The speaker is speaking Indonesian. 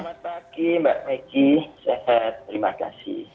selamat pagi mbak megi sehat terima kasih